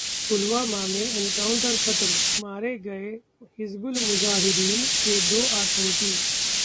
पुलवामा में एनकाउंटर खत्म, मारे गए हिज्बुल मुजाहिदीन के दो आतंकी